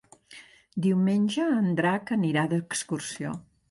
Diumenge en Drac anirà d'excursió.